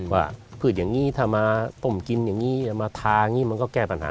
พืชอย่างนี้ถ้ามาต้มกินอย่างนี้มาทาอย่างนี้มันก็แก้ปัญหา